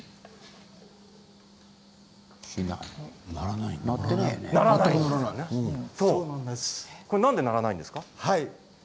なんで鳴らないんですか？